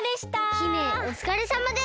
姫おつかれさまです！